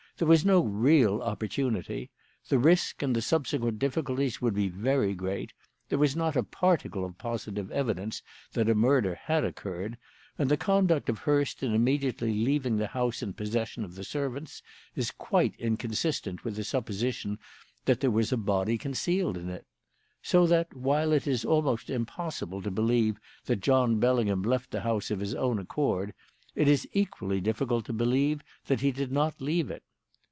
There was no real opportunity. The risk and the subsequent difficulties would be very great; there was not a particle of positive evidence that a murder had occurred; and the conduct of Hurst in immediately leaving the house in possession of the servants is quite inconsistent with the supposition that there was a body concealed in it. So that, while it is almost impossible to believe that John Bellingham left the house of his own accord, it is equally difficult to believe that he did not leave it.